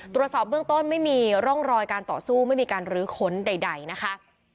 ตรวจสอบเบื้องต้นไม่มีร่องรอยการต่อสู้ไม่มีการลื้อค้นใดนะคะ